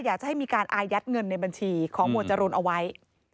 อยากจะให้มีการอายัดเงินในบัญชีของหมวดจรูนเอาไว้